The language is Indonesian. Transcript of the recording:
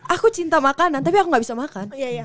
aku cinta makanan tapi aku gak bisa makan